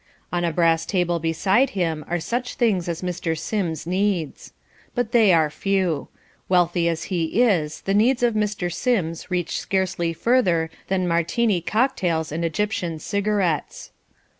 On a brass table beside him are such things as Mr. Sims needs. But they are few. Wealthy as he is, the needs of Mr. Sims reach scarcely further than Martini cocktails and Egyptian cigarettes.